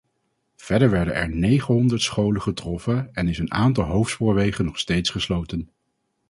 Verder werden er negenhonderd scholen getroffen en is een aantal hoofdspoorwegen nog steeds gesloten.